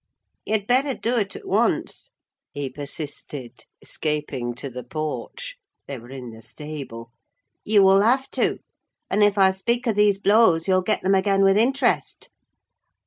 "You'd better do it at once," he persisted, escaping to the porch (they were in the stable): "you will have to: and if I speak of these blows, you'll get them again with interest."